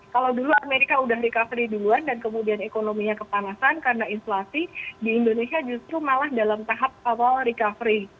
kalau dulu amerika udah recovery duluan dan kemudian ekonominya kepanasan karena inflasi di indonesia justru malah dalam tahap awal recovery